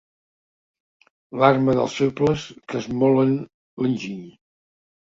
L'arma dels febles que esmolen l'enginy.